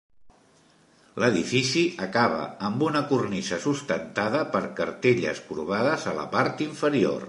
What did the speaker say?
L'edifici acaba amb una cornisa sustentada per cartel·les corbades a la part inferior.